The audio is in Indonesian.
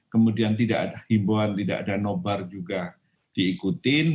kemudian tidak ada himbauan tidak ada nobar juga diikutin